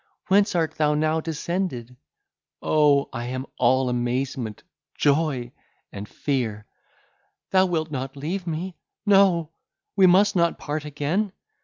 —whence art thou now descended?—Oh! I am all amazement, joy, and fear!—Thou wilt not leave me!—No! we must not part again.